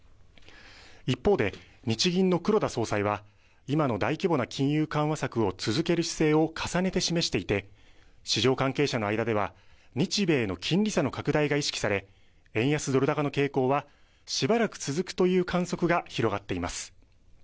一方で日銀の黒田総裁は今の大規模な金融緩和策を続ける姿勢を重ねて示していて市場関係者の間では日米の金利差の拡大が意識され円安ドル高の傾向はしばらく続くという観測が広がっています。